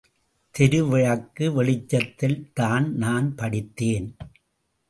தெரு விளக்கு வெளிச்சத்தில் தான் நான் படித்தேன்.